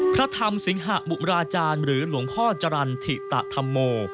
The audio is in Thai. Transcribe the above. พระธรรมสิงหมุบราจารย์หรือหลวงพ่อจรรย์ถิตธรรมโม